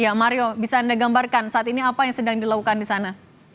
ya mario bisa anda gambarkan saat ini apa yang sedang dilakukan di sana